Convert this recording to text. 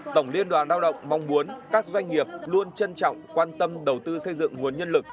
tổng liên đoàn lao động mong muốn các doanh nghiệp luôn trân trọng quan tâm đầu tư xây dựng nguồn nhân lực